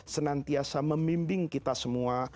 senantiasa memimbing kita semua